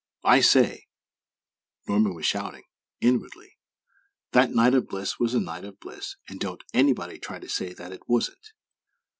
"I say," Norman was shouting, inwardly; "that night of bliss was a night of bliss and _don't anybody try to say that it wasn't!